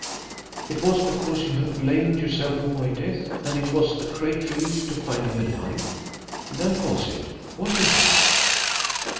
It was because you had blamed yourself for my death, and it was a great relief to find me alive. That was it, wasn't it?"